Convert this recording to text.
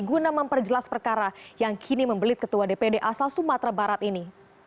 guna memperjelas perkara yang kini membelit ketua dpd asal sumatera barat ini